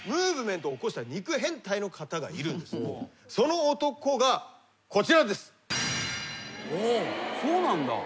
その男がこちらです。